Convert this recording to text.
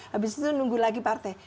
habis itu nunggu lagi partai